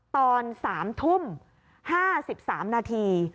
ตอน๓ทุ่ม๕๓นาที